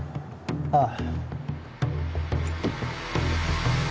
ああ。